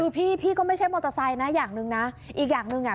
คือพี่พี่ก็ไม่ใช่มอเตอร์ไซค์นะอย่างหนึ่งนะอีกอย่างหนึ่งอ่ะ